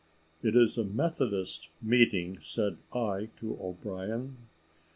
"It is a Methodist meeting," said I to O'Brien.